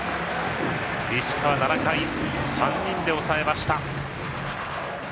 石川、７回は３人で抑えました。